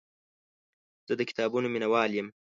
زه د کتابونو مینهوال یم.